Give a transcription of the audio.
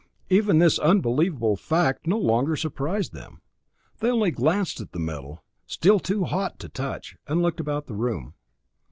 Even this unbelievable fact no longer surprised them. They only glanced at the metal, still too hot to touch, and looked about the room.